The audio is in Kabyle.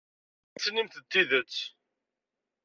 Ɣas inimt-d tidet.